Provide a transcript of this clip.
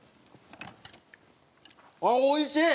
あっおいしい。